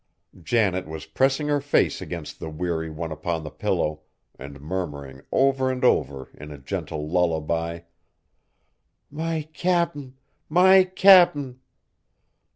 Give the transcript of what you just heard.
Janet was pressing her face against the weary one upon the pillow, and murmuring over and over in a gentle lullaby, "My Cap'n, my Cap'n!"